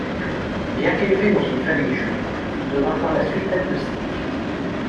Bien qu'élevé dans une famille juive, il devint par la suite agnostique.